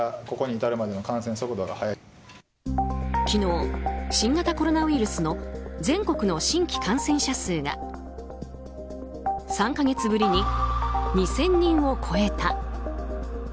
昨日、新型コロナウイルスの全国の新規感染者数が３か月ぶりに２０００人を超えた。